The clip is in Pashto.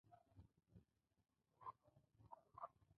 يک تنها به په خونخوارې لارې تلل څوک